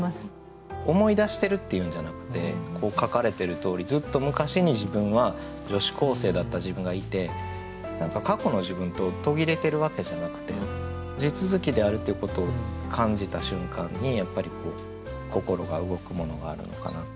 思い出してるっていうんじゃなくてこう書かれてるとおりずっとむかしに自分は女子高生だった自分がいて何か過去の自分と途切れてるわけじゃなくて地続きであるっていうことを感じた瞬間にやっぱり心が動くものがあるのかな。